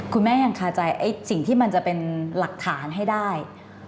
คุณแม่ยังคาใจสิ่งที่มันจะเป็นหลักฐานให้ได้